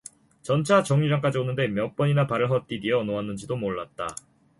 전차 정류장까지 오는데 몇 번이나 발을 헛디디어 놓았는지도 몰랐다.